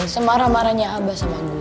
semarah marahnya abah sama